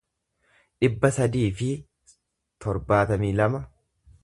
dhibba sadii fi torbaatamii lama